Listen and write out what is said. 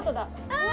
ああ！